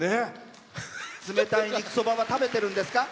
冷たい肉そばは食べてるんですか？